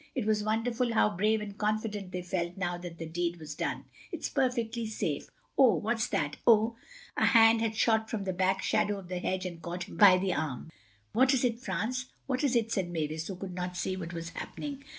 It was wonderful how brave and confident they felt now that the deed was done. "It's perfectly safe—Oh, what's that! Oh!" A hand had shot from the black shadow of the hedge and caught him by the arm. "What is it, France? What is it?" said Mavis, who could not see what was happening.